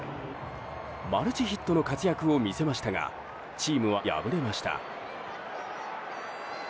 マルチヒットの活躍を見せましたがチームは敗れました。